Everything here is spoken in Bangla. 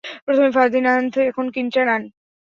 প্রথমে ফার্দিন্যান্দ, এখন কিচ্যানার!